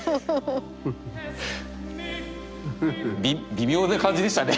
微妙な感じでしたね。